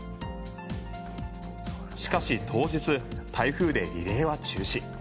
しかし、当日台風でリレーは中止。